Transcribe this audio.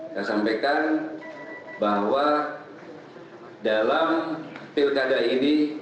saya sampaikan bahwa dalam pilkada ini